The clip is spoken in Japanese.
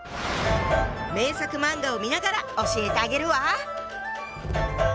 名作漫画を見ながら教えてあげるわ！